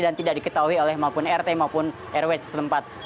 dan tidak diketahui oleh maupun rt maupun rw di setempat